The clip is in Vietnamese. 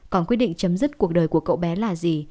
còn quyết định chấm dứt cuộc đời của cậu bé là gì